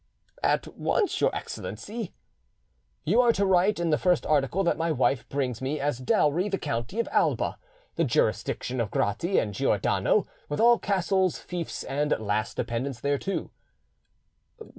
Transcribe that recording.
"At once, your Excellency." "You are to write in the first article that my wife brings me as dowry the county of Alba, the jurisdiction of Grati and Giordano, with all castles, fiefs, and lands dependent thereto."